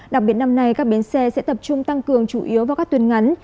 đặc biệt năm nay các bến xe sẽ tập trung tăng cường chủ yếu vào các tuyên ngắn